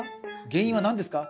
原因は何ですか？